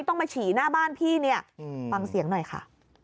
ต้องมาฉี่หน้าบ้านพี่เนี่ยฟังเสียงหน่อยค่ะ